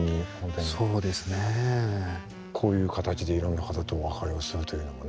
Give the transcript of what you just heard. こういう形でいろんな方とお別れをするというのもね。